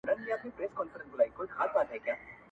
o له بېکاره، خداى بېزاره.